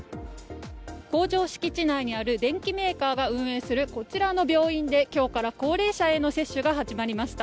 工場敷地内にある電機メーカーが運営するこちらの病院で今日から高齢者への接種が始まりました。